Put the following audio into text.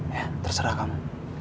ya terserah kamu